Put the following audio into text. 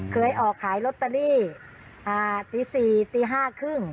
เคยออกขายรถตะลี่ตีสี่ตีห้าครึ่ง